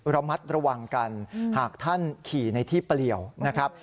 ระมัดระวังกันหากท่านขี่ในที่เปลี่ยวนะครับ